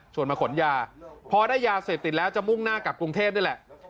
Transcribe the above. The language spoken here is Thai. มาขนยาพอได้ยาเสพติดแล้วจะมุ่งหน้ากลับกรุงเทพนี่แหละ